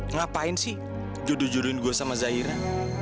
ngapain sih juduh juduhin gue sama zaira